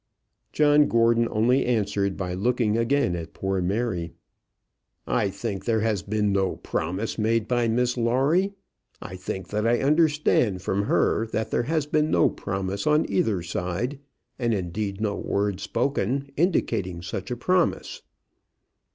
John Gordon only answered by looking again at poor Mary. "I think there has been no promise made by Miss Lawrie. I think that I understand from her that there has been no promise on either side; and indeed no word spoken indicating such a promise."